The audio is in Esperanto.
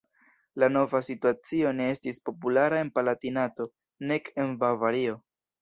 La nova situacio ne estis populara en Palatinato, nek en Bavario.